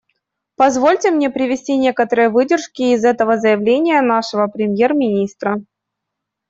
Позвольте мне привести некоторые выдержки из этого заявления нашего премьер-министра.